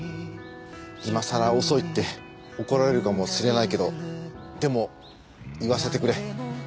今さら遅いって怒られるかもしれないけどでも言わせてくれ。